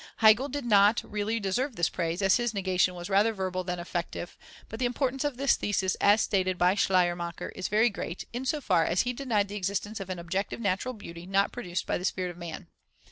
Hegel did not really deserve this praise, as his negation was rather verbal than effective; but the importance of this thesis as stated by Schleiermacher is very great, in so far as he denied the existence of an objective natural beauty not produced by the spirit of man.